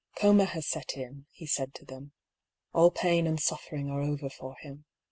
^^ Coma has set in," he said to them ;'^ all pain and suffering are over for him.